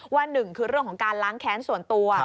หนึ่งคือเรื่องของการล้างแค้นส่วนตัว